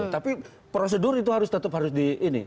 tapi prosedur itu harus tetap harus di ini